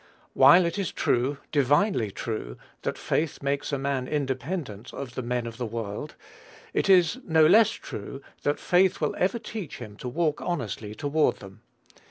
While it is true, divinely true, that faith makes a man independent of the men of the world, it is no less true that faith will ever teach him to walk honestly toward them.